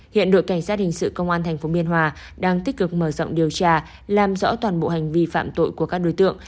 hiện đội cảnh sát hình sự công an tp biên hòa đang tích cực mở rộng điều tra làm rõ toàn bộ hành vi phạm tội của các đối tượng